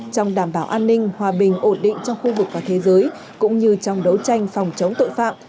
trong đảm bảo an ninh hòa bình ổn định trong khu vực và thế giới cũng như trong đấu tranh phòng chống tội phạm